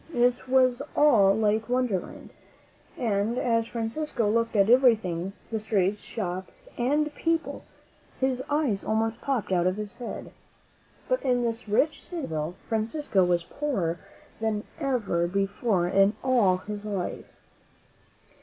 It was all like Wonderland; and, as Francisco looked at everything — the streets, shops and people — his eyes almost popped out of his head. But in this rich city of Seville, Francisco was poorer than ever before in all his life.